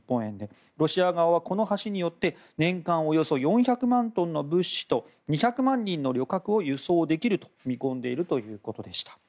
ロシア側はこの橋によって年間およそ４００万トンの物資と２００万人の旅客を輸送できると見込んでいるということでした。